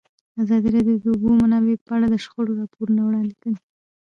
ازادي راډیو د د اوبو منابع په اړه د شخړو راپورونه وړاندې کړي.